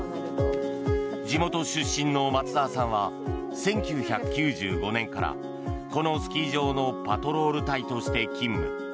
地元出身の松澤さんは１９９５年からこのスキー場のパトロール隊として勤務。